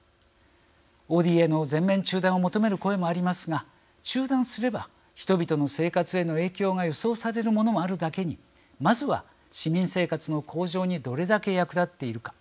ＯＤＡの全面中断を求める声もありますが中断すれば、人々の生活への影響が予想されるものもあるだけにまずは市民生活の向上にどれだけ役立っているか。